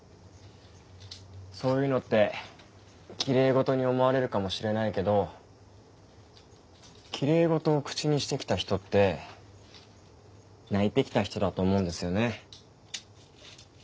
そういうのってキレイ事に思われるかもしれないけどキレイ事を口にして来た人って泣いて来た人だと思うんですよね。